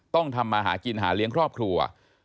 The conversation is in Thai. ต้องทำมาหากินหาเลี้ยงครอบครัว